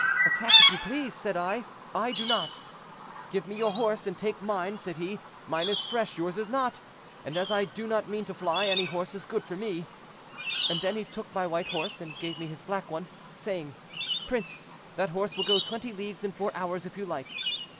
'Attack if you please,' said I; 'I do not.' 'Give me your horse, and take mine,' said he: 'mine is fresh—yours is not; and as I do not mean to fly, any horse is good for me.' And then he took my white horse and gave me his black one, saying, 'Prince, that horse will go twenty leagues in four hours if you like.'